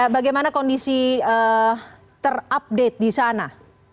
bagaimana kondisi terupdate di sana